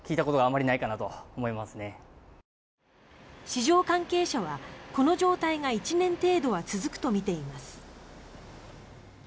市場関係者は、この状態が１年程度は続くとみています。